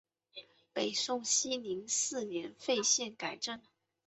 北宋熙宁四年废县改镇。